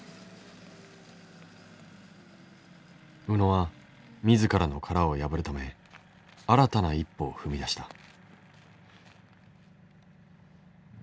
宇野は自らの殻を破るため新たな一歩を踏み出した。